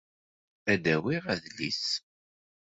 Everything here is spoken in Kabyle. Ad awiɣ adlis.